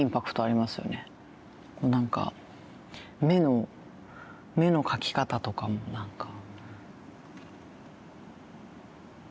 なんか目の目の描き方とかもなんか。